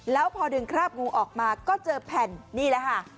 แล้วพอดึงคราบงูออกมาก็เจอแผ่นนี่แหละค่ะ